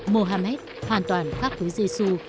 muhammad hoàn toàn khác với giê xu